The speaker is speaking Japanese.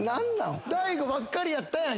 大悟ばっかりやったやん。